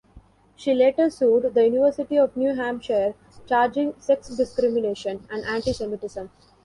She later sued the University of New Hampshire charging sex discrimination and anti-Semitism.